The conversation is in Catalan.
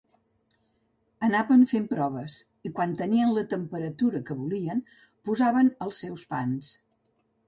Anaven fent proves i, quan tenien la temperatura que volien, posaven els seus pans.